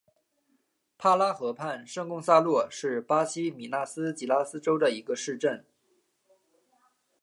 帕拉河畔圣贡萨洛是巴西米纳斯吉拉斯州的一个市镇。